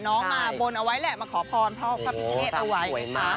น้องมาบนเอาไว้แหละมาขอพรพระพิกเนตเอาไว้